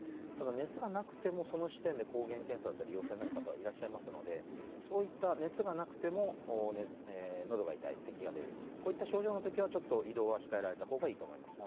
熱がなくても、その時点で抗原検査で陽性になる方、いらっしゃいますので、熱がなくても喉が痛い、咳が出る、こういった症状の時は移動は控えられたほうがいいと思います。